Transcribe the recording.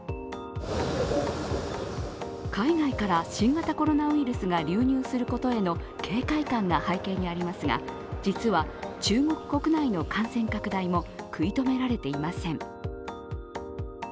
海外から新型コロナウイルスが流入することへの警戒感が背景にありますが、実は中国国内の感染拡大も食い止められていません。